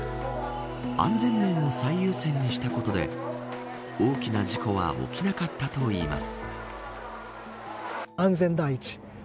安全面を最優先にしたことで大きな事故は起きなかったといいます。